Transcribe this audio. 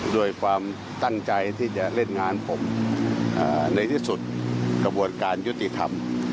ด้วยความตั้งใจที่จะเล่นงานผมในที่สุดกระบวนการยุติธรรม